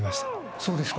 そうですか。